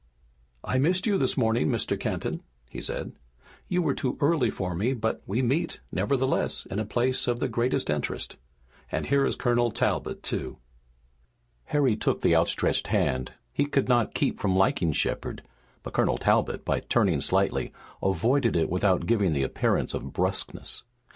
"I missed you this morning, Mr. Kenton," he said. "You were too early for me, but we meet, nevertheless, in a place of the greatest interest. And here is Colonel Talbot, too!" Harry took the outstretched hand he could not keep from liking Shepard but Colonel Talbot, by turning slightly, avoided it without giving the appearance of brusqueness.